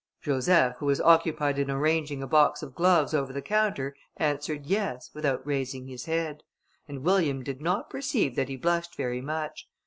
Joseph, who was occupied in arranging a box of gloves over the counter, answered "Yes," without raising his head, and William did not perceive that he blushed very much.